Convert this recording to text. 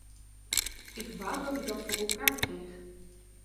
Ik wou dat ik dat voor elkaar kreeg.